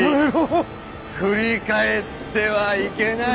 「振り返ってはいけない。